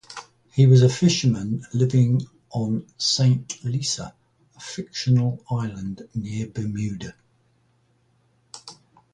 He was a fisherman living on Saint Lisa, a fictional island near Bermuda.